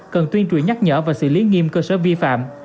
cần tuyên truyền nhắc nhở và xử lý nghiêm cơ sở vi phạm